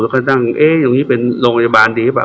ก็นั่งเอ๊ะตรงนี้เป็นโรงพยาบาลดีหรือเปล่า